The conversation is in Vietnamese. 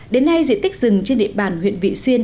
đến nay diện tích rừng trên địa bàn huyện vị xuyên